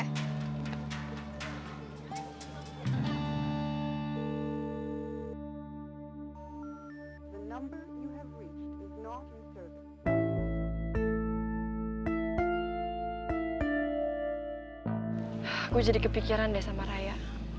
aku jadi kepikiran deh sama raya